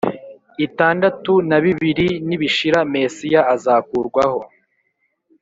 itandatu na bibiri nibishira Mesiya azakurwaho